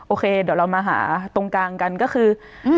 โอเคเดี๋ยวเรามาหาตรงกลางกันก็คือ